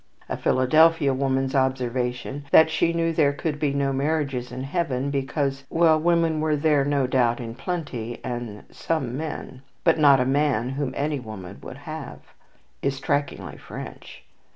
A Philadelphia woman's observation, that she knew there could be no marriages in Heaven, because "Well, women were there no doubt in plenty, and some men; but not a man whom any woman would have," is strikingly French.